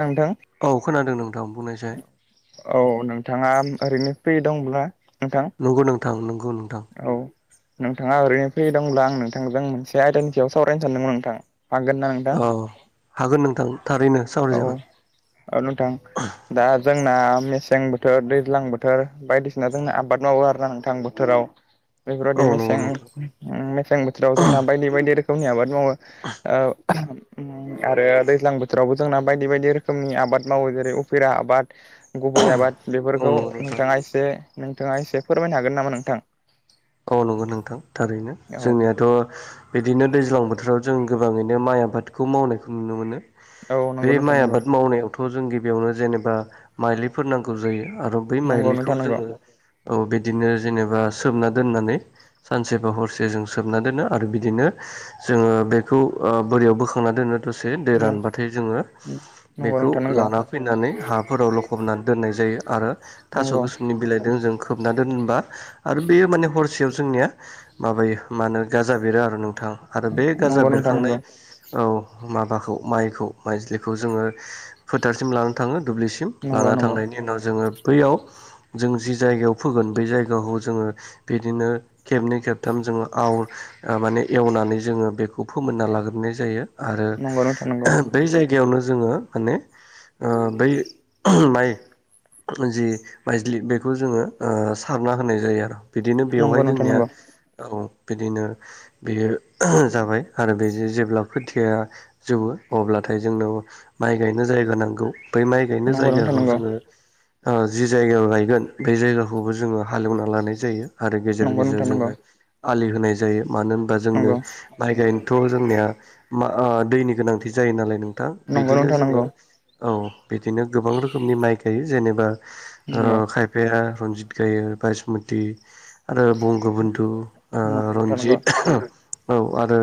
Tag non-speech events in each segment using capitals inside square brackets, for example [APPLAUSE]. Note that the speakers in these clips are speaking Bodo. थांथां औ खोनादों नोंथां बुंनायसाय औ नोंथाङा ओरैनो फ्रि दंब्ला नोंथां नंगौ नोंथां नंगौ नोंथां औ नोंथाङा ओरैनो फैदोंंब्ला आं नोंथांजों मोनसे आयदानि सायाव सावरायनो सानदोंमोन नोंथाङा औ हागोन नोंथां थारैनो औ सावराय जागोन औ नोंथां दा जोंना मेसें बोथोर दैज्लां बोथोर बायदिसिना जोंो आबाद मावो आरो नांथां बोथोराव औ बेफोरबायदि नंगौ नोंथां मेसें मेसें बोथोराव जोंना बायदि बायदि रोखोम नि आबाद मावो आरो दैज्लां बोथोरावबो जोंना बायदि बायदि रोखोमनि आाद आबाद मावो जेरै उफिरा आबाद गुबै आबाद औ बेफोरखौ नंगौ नोंथां नोंथाङा एसे नोंथाङा एसे फोरमायनो हागोन नामा नोंथां औ नंगौ नोंथां थारैनो औ जोंनियाथ' बिदिनो दैजां बोथोराव जों गोबाङैनो माइ आबादखौ मावनायखौ नुनो मोनो औ बे नंगौ नोंथां माइ नंगौ आबाद मावनायावथ' जों बेयावनो जेनेबा माइलिफोर नांगौ जायो आरो बै नंगौ माइलिखौ नोंथां नंगौ जोङो औ बिदिनो जेनेबा सोमना दोननानै सानसे बा हरसे जों सोबना दोनो आरो बिदिनो जोङो बेखौ बोरयाव बोखांना दोनो दसे दै नंगौ रानबाथाय जोङो बेखौ नोंथां नंगौ लाना फैनानै हाफोराव लखबनानै दोननाय जायो आरो थास' नंगौ गोुसुनि बिलाइजों जों खोबना दोनबा आरो बेयो माने हरसेयाव जोंनिया माबायो मा होनो गाजा बेरो आरो न गोथां आरो बे गाजा नंगौ नोंथां बेरखांनाय नंगौ औ माबाखौ माइखौ माइजलिखौ जोङो फोथारसिम लाना थाङो दुब्लिसिम नंगौ लाना नंगौ थांनायनि उनाव जोङो बैयाव जों जि जायगायाव फोगोन ब जायगाखौ जोङो बिदिनो खेबनै खेबथाम जोङो आव माने एवनानै जोङो बेखौ फोमोनना लाग्रोनाय जायो आरो नंगौ नोंथां नंगौ बै जायगायावनो जोङो माने बै माइ जि माइज्लि बेखौ जोङो सारना होनाय जायो आरो बिदिनो नंगौ बेवहाय नोंथां म नंगौ औ बिदिनो बेयो जाबाय आरो बे जेब्ला खोथिया जोबो अब्लाथाय जोंनो माइ गायनो जायगा नांगौ बै माइ गायनो नंगौ जायगाखौ जोङो जि जायगा गायगोन बे जायगाखौबो जोङो हालेवना लानाय जायो आरो गेजेर गेजेर नोंथां नंगौ जोङो आलि होनाय जायो मानो होनबा जोंनो माइ गायनोथ' जोंनिया मा दैनि गोनांथि जायो नालाय नों गोथां नंगौ बिदिनो नोंथां जोङो नंगौ औ बिदिनो गोबां रोखोमनि माइ गायो जेनेबा नंगौ खायफाया रन्जित गायो बासमति आरो बंग बन्धु नंगौ नोंथां नंगौ रन्जित औ आरो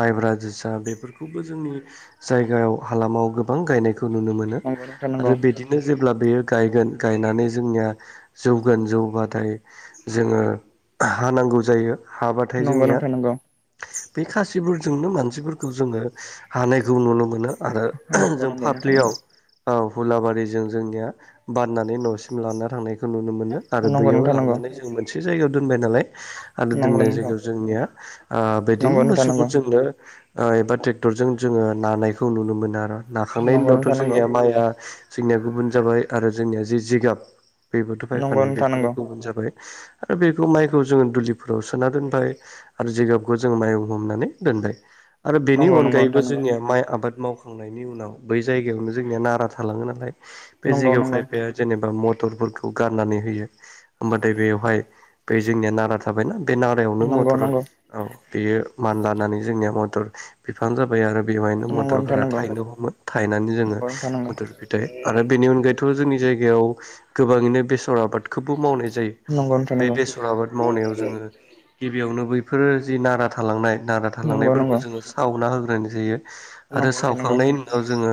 माइब्रा जोसा बेफोरखौबो जोंनि जायगायाव हालामाव गोबां गायनायखौ खौ नुनो मोनो नंगौ नंगौ आरो बिदिनो जेब्ला बेयो गायगोन गायनानै जोंनिया जौगोन जौबाथाय जोङो हानांगौ जायो नोंथां हाबाथाय नंगौ जोंनिया नोंथां नंगौ बे खासिफोरजोंनो मानसिफोरखौ जोङो हानायखौ नुनो मोनो मोनो आरो नंगौ नोंथां नंगौ जों नोंथां पप्लियाव नंगौ औ हुलाबारिजों जोंनिया बाननानै न'सिम लाना थांनाय बे खौ नुनो मोनो आरो नंगौ बैयाव नोंथां नंगौ लांनानै जों मोनसे जायगायाव दोनबाय नालाय आरो नंगौ दोननाय नोंथां जायगायाव जोंनिया बिदिनो नंगौ नोंथां नंगौ मोसौफोरजोंनो एबा ट्रेक्टरजों जोङो नानायखौ नुनो मोनो आरो नाखांनायनि नंगौ नोंथां उनावथ' नंगौ जोंनिया माइया जोंनिया गुबुन जाबाय आरो जोंनिया जि जिगाब बेबोथ' नंगौ बायफानाय नोंथां बेफोरो नंगौ गुबुन जाबाय। दा बेखौ माइखौ जोङो दुलिफोराव सोना दोनबाय आरो जिगाबखौ जोङो माइ हमनानै दोनबाय। आरो बेनि नंगौ अनगायैबो जोंनिया माइ आबाद मावखांनायनि उनाव बै जायगायावनो जोंनिया नारा थालाङो नालाय बे नंगौ जायगायाव नोंथां खायफाया जेनेबा मटरफोरखौ गारनानै होयो होमबाथाय बेवहाय बे जोंनिया नारा थाबायना बे नारायावनो नंगौ मटर औ बेयो मान लानानै जोंनिया बिफां जााब आरो बेवायनो नंगौ नंगौ मटरफोरा नंगौ नंगौ थायनो हमो थायनानै जोङो नंगौ नोंथां नंगौ मटर फिथायाइ आरो बेनि अनगायै थ' जोंनि जायगायाव गोबाङैनो बेसर आबादखौबो मावनाय जायो। नंगौ नोंथां बे नंगौ बेसर आबाद मावनायाव जोङो गिबियावनो बैफोरो जि नारा थालांनाय नारा थालांनायफोरखौ जोङो सावना होग्रोनाय जायो। आरो सावखांनायनि उनाव जोङो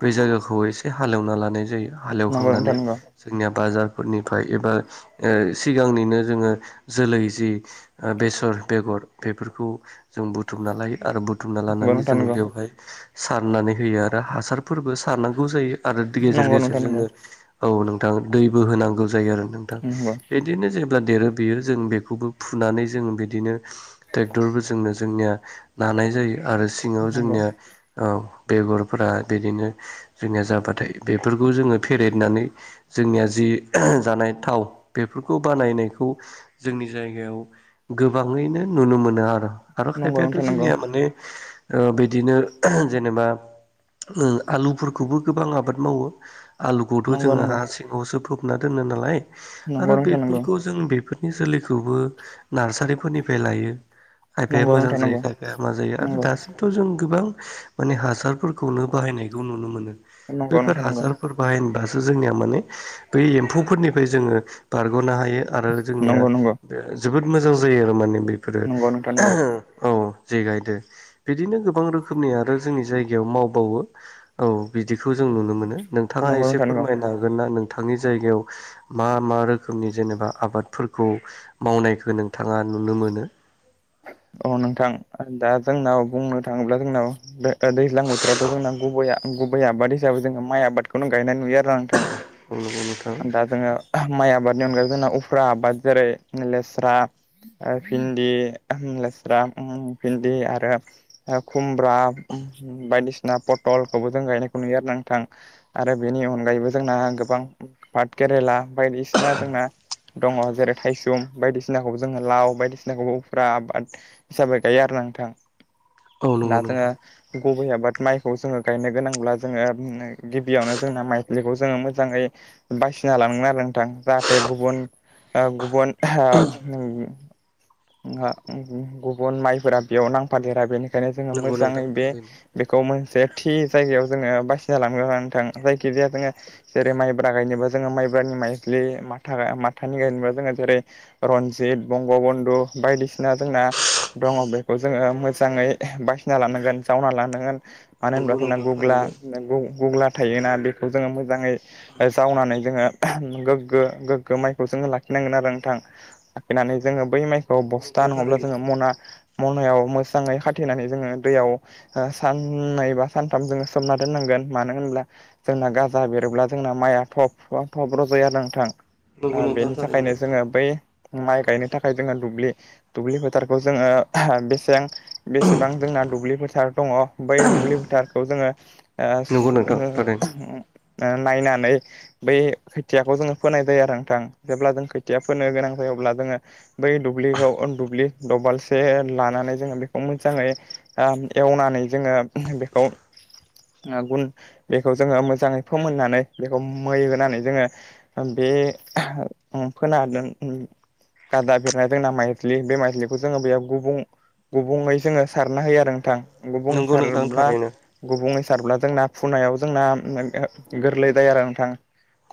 बै जायगाखौ एसे हालेवना लानाय जायो। नंगौ नोंथां नंगौ हालेवखांनानै जोंनिया बाजारफोरनिफ्राय एबा ओ सिगांनिनो जोङो जोलै जि बेसर बेगर बेफोरखौ जों बुथुम ना लायो आरो बुथुम थुमना लानानै जोङो बेवहाय सारनानै होयो आरो हासारफोरबो सारनांगौ जायो आरो गेजेर नंगौ नंगौ नोंथां नंगौ गेजेर नोंथां नंगौ जोङो औ नोंथां दैबो होनांगौ जायो आरो नोंथां। नंगौ नंगौ बिदिनो जेब्ला देरो बेयो जों बेखौबो फुनानै जों बिदिनो ट्रेक्टरबो जोंनो जोंनिया नानाय जायो आरो सिङाव जोंनिया औ बेगरफोरा बिदिनो जोंनिया जाबाथाय बेफोरखौ जोङो फेरेदनानै जोंनिया जि जानाय थाव बेफोरखौ बानायनायखौ जोंनि जायगायाव गोबाङैनो नुनो मोनो आरो। आरो खायफायाथ' नोंथां नंगौ जोंनिया माने ओ बिदिनो जेनेबा आलुफोरखौबो गोबां आबाद मावो आलुखौथ' नंगौ जोङो नंगौ हा सिङावसो फबना दोनो नालाय नंगौ आरो नोंथां बेफोरखौ नंगौ जों बेफोर बिनि जोलैखौबो नार्सारिफोरनिफ्राय लायो। खायफाया मोजां जायो नंगौ खायफाया हामा जायो आरो दासिमथ' जों गोबां माने हासारफोरखौनो बाहायनायखौ नुनो मोनो नंगौ नंगौ बेफोर नोंथां नंगौ हासारफोर बाहायबा जोंनिया माने बै एम्फौफोरनिफ्राय जोङो बारग'नो हायो आरो जोंनिया नंगौ नोंथां नंगौ नोंथां नंगौ नंगौ नोंथां ओ जोबोद मोजां जायो आरो माने बेफोरो नंगौ औ जे गायदो बिदिनो गोबां रोखोमनि आरो जोंनि जायगायाव मावबावो औ बिदिखौ जों नुनो मोनो नोंथाङा नंगौ एसे नोंथां नंगौ फोरमायनो हागोन ना नोंथांनि जायगायाव मा मा रोखोम रोखोमनि जेनेबा आबादफोरखौ मावनायखौ नोंथाङा नुनो मोनो। अ नोंथां दा जोंनाव बुंनो थाङोब्ला जोंनाव दैज्लां बोथोरावथ' जोंना गुबैया गुबै आबाद हिसाबै जोङो माइ आबादखौनो गायनाय नुयो आरो आंथां औ नंगौ नोंथां दा जोङो माइ आबादनि अनगायै जोंना उफेरा आबाद जेरै लेस्रा भिन्दि लेस्रा ओ भिन्दि आरो खुमब्रा बायदिसिना भलखौबो जों गायनायखौ नुयो आरो नांथां आरो बेनि अनगायैबो जोंना गोबां पाट केरेला बायदिसिना जोंना दङ जेरै थाइसुम बायदिसिनाखौबो जोङो लाव बायदिसिनाखौबो [INAUDIBLE] आबाद हिसाबै गायो आरो ना नोंथां औ दा नंगौ नोंथां जोङो गुबै आबाद माइखौ जोङो गायनो गोनांब्ला जोङो गिबियावनो जोंना माइफ्लिखौ जोङो मोजाङै बायसिना लानांगोन आरो नोंथां जाहाथे गुबुन ओ गुबुन ओ [INAUDIBLE] गुबुन माइफोरा बेयाव नांफादेरा बेनिखायनो बेखायनो जोङो नंगौ मोजाङै नोंथां बे थारैनो बेखौ जे थि जायगायाव जोङो बासिना लानो नोंथां जायखिजाया जोङो जेरै माइब्रा गायनोबा जोङो माइ माइब्रानि माइज्लि माथा माथानि गायनोबख जोङो जेरै रनजित बंग बन्धु बायदिसिना जोंना दङ बेखौ जोङो मोजाङै बासिना लानांगोन जावना लानांगोन मानो नंगौ होनोब्ला जोंना नोंथां गुग्ला गुग्ला थायोना बेखौ जोङो मोजाङै जावनानै जों ओ गोगो गोगो माइखौ जोङो लाखिनांगोन आरो नोंथां लाखिनानै जोङो बै माइखौ औ बस्था नङाब्ला जोङो थारैनो मना मनायाव मोजाङै खाथेनानै जोङो दैयाव ओ साननै बा सानथाम जोङो सोमना दोननांगोन । मानो होनब्ला जोंना गाजा बेरोब्ला जोंना माइआ थब थब रज'यो आरो नोंथां । ओ नंगौ नोंथां थारैनो बेनिथाखायनो जोङो बै माइ गायनो थाखाय जोङो दुब्लि दुब्लि फोथारखौ जोङो बेसेयां बेसेबां जोंना दुब्लि फोथार दङ बै दुब्लि फोथारखौ जोङो ओ नंगौ उम ओ नायनानै बै खोथियाखौ जोङो फोनाय जायो आरो नोंथां जेब्ला जों खोथिया फोनो गोनां जायो अब्ला जोङो बै दुब्लिखौ दुब्लि दबालसे लानानै जोङो बेखौ मोजाङै ओ एवनानै जोङो बेखौ ओ गुन बेखौ जोङो मोजाङै फोमोननानै बेखौ मै होनानै जोङो बे उम खोनादों उम गादा बेद ओ जोंना माइज्लि बे माइज्लिखौ जोङो बेयाव गुबुं गुबुङै जोङो सारना होयो आरो नोंथां । गुबुं नोंथां सारोब्ला थारैनो गुबुंयै सारब्ला जोंना फुनायाव जोंना गोरलै जायो आरो नोंथां ।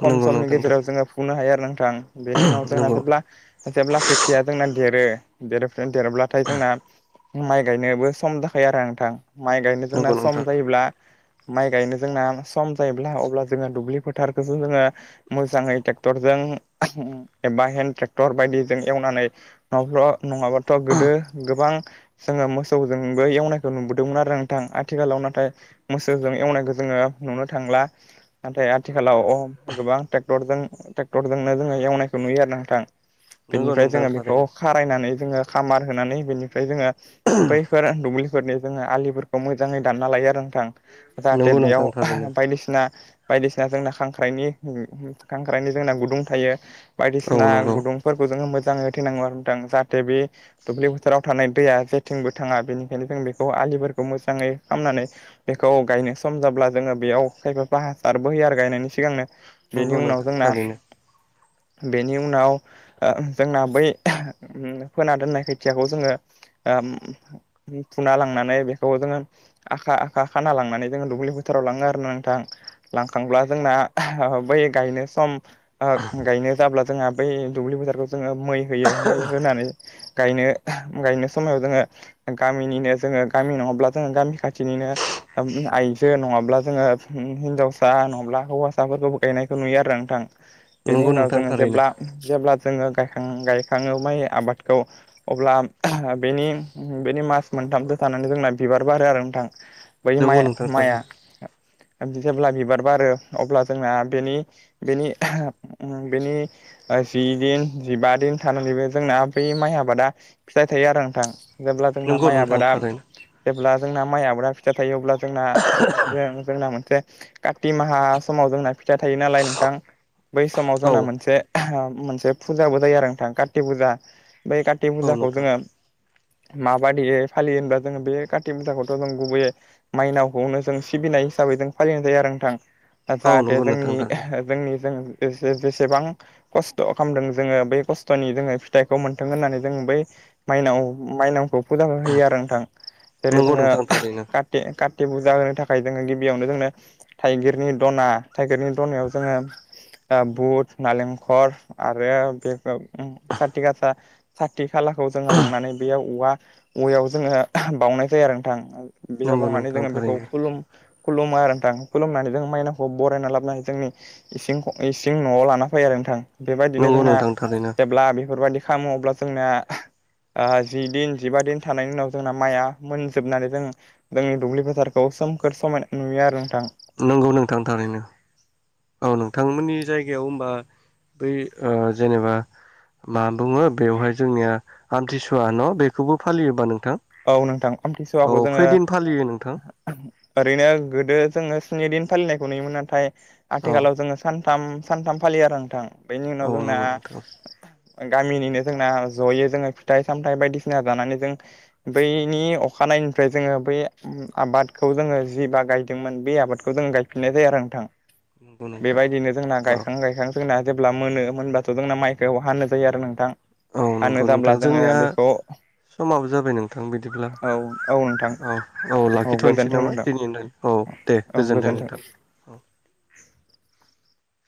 खम नंगौ नोंथां थारैनो नंगौ नोंथां थारैनो नंगौ समनि नोंथां गेजेराव जोङो फुनो हायो आरो नोंथां बेनि उनाव जोंना जेब्ला जेब्ला खो थिया जोंना देरो देरोफोन देरोब्लाथाय जोंना माइ गायनोबो सम जाखायो आरो नोंथां माइ गायनो जोंना सम जायोब्ला माइ गायनो जोंना सम जायोब्ला अब्ला जोङो दुब्लि फोथारखौसो जोङो मोजाङै ट्रेक्टर जो जों एबा हेनन्द ट्रेक्टर बायदि जों एवनानै न'फ्राव नङाबाथ' गोदो गोबां जोङो मोसौजोंबो एवनायखौ नु बोदोंमोन आरो नोंथां आथिखालाव नाथाय मोसौजों एवनायखौ जोङो नुनो थांला नाथाय आथिखालाव गोबां ट्रेक्टरजों ट्रेक्टरजोंनो जोङो एवनायखौ नुयो आरो नोंथां । नंगौ बेनिफ्राय नंगौ नोंथां जोङो बेखौ खारायनानै जोङो खामार होनानै बेनिफ्राय जोङो बैफोर दुब्लिफोर बे जोङो आलिफोरखौ मोजाङै दानना लायो आरो नोंथां जाहाथे नंगौ बेयाव नोंथां थारैनो नंगौ नोंथां थारैनो बायदिसिना बायदिसिना जोंना खांख्राइनि खांख्राइनि जोंना गुदुं थायो औ बायदिसिना नंगौ गुदुं फोरखौ जोङो मोजाङै होथेनांगौ आरो नोंथां जाहाथे बे दुब्लि फोथाराव थानाय दैया जेथिंबो थाङा । बेनिखायनो बेखौ आलिफोरखौ मोजाङै खामनानै बेखौ गायनो सम जाब्ला जोङो बेयाव खायफा बा [UNINTELLIGIBLE] आरो गायनायनि सिगांनो बेनि नंगौ उनाव नोंथां जोंना थारैनो बेनि उनाव ओ जोंना बै उम फोना दोननाय खायथियाखौ जोङो ओम फुना लांनानै बेखौ जोङो आखा आखा खाना लांनानै जोङो दुब्लि बोथोराव लाङो आरो ना नोंथां । लांखाब्ला जोंना बै गायनो सम ओ गायनो जाब्ला जोंङा बै दुब्लि फोथारखौ जोङो मै होयो मै होनानै गायनो गायनो समायाव जोङो गामिनिनो जोङो गामि नङाब्ला जोङो गामि खाथिनि [UNINTELLIGIBLE] आइजो नङाब्ला जोङो हिनजावसा नङाब्ला हौवासाफोरखौ गायनायखौ नुयो । आरो नोंथां बेनि नंगौ उनाव नोंथां जोङो थारैनो जेब्ला जेब्ला जोङो गायखां गायखाङो माइ आबादखौ अब्ला बेनि बेनि मास मोन थामसो थानानै जोंना बिबार बारो आरो नोंथां बै माइ नंगौ नोंथां माइआ थारैनो । जेब्ला बिबार बारो अब्ला जोंना बेनि बेनि उम बेनि जि दिन जिबा दिन थानानैबो जोंना बै माइ आबादा फिथाइ थायो आरो नोंथां । जेब्ला जोंना नंगौ माइ नोंथां आबादा थारैनो जेब्ला जोंना माइ आबादा फिथा थायो अब्ला जोंना जों जोंना मोनसे काति माहा समाव जोंना फिथा थायो नालाय नोंथां । बै समाव औ जोंना मोनसे मोनसे फुजाबो जायो आरो नोंथां काति फुजा बै का ति औ फुजाखौ नोंथां जोङो माबादियै फालियो होनबा जोङो बे काति पुजाखौथ' जों गुबैयै माइनावखौनो जों सिबिना य हिसाबै जों फालिनाय जायो आरो नोंथां । आ औ जाहाथे नंगौ नोंथां जोंनि थारैनो जोंनि जों जेसे-जेसेबां खस्थ' खालामदों जोङो बै खस्थ'नि जोङो फिथाइखौ मोनथों होननानै जों बै माइनाव माइनावखौ फुजा हो होयो आरो नोंथां जेरै नंगौ जोङो नोंथां थारैनो काति काति पुजा होनो था खाय जोङो गिबियावनो जोङो थाइगिरनि दना थाइगिरनि दनायाव जोङो ओ बुट नालेंखर आरो बेखौ खाथि गासा खाथि खालाखौ जोङो लांनानै बेयाव औवा‌ औवायाव जोङो बावउनाय जायो आरो नोंथां बेयाव नंगौ बावनानै नोंथां जोङो बेखौ थारैनो खुलुम खुलुमो आरो नोंथां खुलुमनानै जों माइनाखौ बरायना लाबोन हायो जोंनि इसिं ख' इसिं न'आव लाना फै आरो नोंथां। बेबायदिनो नंगौ जोंना नोंथां थारैनो जेब्ला बेफोरबायदि खामो अब्ला जोंना ओ जि दिन जिबा दिन थानायनि उनाव जोंना माइआ मोनजोबनानै जों जोंनि दुब्लि फोथारखौ सोमखोर समायना नुयो आरो नोंथां। नंगौ नोंथां थारैनो औ नोंथांमोननि जायगायाव ओमबा बै जेनेबा मा बुङो बेवहाय जोंनिया आमथिसुवा न बेखौबो फालियोबा नों औ नोंथां आमथिसुवाखौ जोंङो फालियो नोंथां ओरैनो गोदो जोंङो स्नि दिन फालिनायखौ नुयोमोन नाथाय औ आथिखालाव जोंङो सानथाम सानथाम फालियो आरो नोंथां। बेनि उनाव औ जोंना नंगौ नोंथां गामिनिनो जोंना जयै जोंङो फिथाइ सामथाइ बायदिसिना जानानै जों। बैनि अखानायनिफ्राय जोंङो बै आबादखौ जोंङो जि बा गायदोंमोन बै आबादखौ जों। गायफिनाय जायो आरो नोंथां नंगौ नोंथां बेबायदिनो जोंना औ गायखां गायखां जोंना जेब्ला मोनो मोनब्लाथ जोंना माइखौव हानो जायो आरो नोंथां। औ नंगौ हानो नोंथां जाब्ला जोंङो जोंनिया बेखौ। समाबो जाबाय नोंथां बिदिब्ला। औ औ नोंथां औ औ लाखिथनोसै गोजोन्थों नामा नोंथां दिनैनिथाखाय औ दे गोजोन्थों नोंथां। औ।